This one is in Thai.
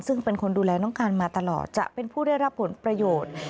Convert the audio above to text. ซึ่งเป็นคนดูแลน้องการมาตลอดจะเป็นผู้ได้รับผลประโยชน์